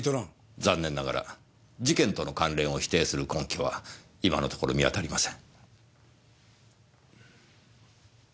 残念ながら事件との関連を否定する根拠は今のところ見当たりません。